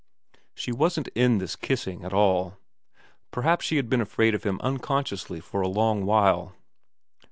She wasn't in this kissing at all. Perhaps she had been afraid of him uncon sciously for a long while.